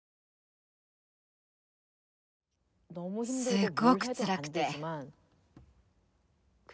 すっごくつらくて。